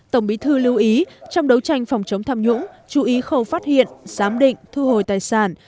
tổng bí thư lưu ý trong đấu tranh phòng chống tham nhũng chú ý khâu phát hiện giám định thu hồi tài sản